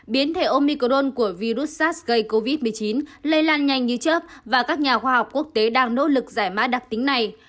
biến thể omicron của virus sars gây covid một mươi chín lây lan nhanh như chấp và các nhà khoa học quốc tế đang nỗ lực giải mã đặc tính này